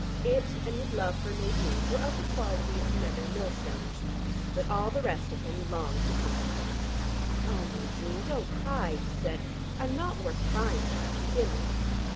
It, and his love for Nadine were of the quality of nether mill stones. But all the rest of him longed to comfort her. "Oh, Nadine, don't cry," he said. "I'm not worth crying about, to begin with."